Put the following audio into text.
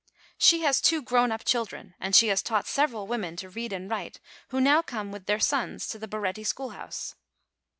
She has two grown up children, and she has taught several women to read and write, who now come with their sons to the Baretti schoolhouse.